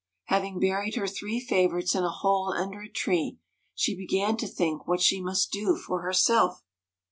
Having buried her three favourites in a hole under a tree, she began to think what she must do for herself.